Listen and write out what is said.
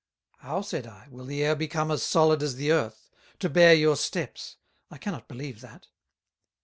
"How," said I, "will the Air become as solid as the Earth, to bear your steps? I cannot believe that."